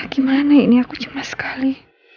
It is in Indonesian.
gimana ini aku cemas sekali